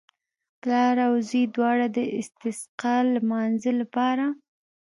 پلار او زوی دواړو د استسقا لمانځه لپاره.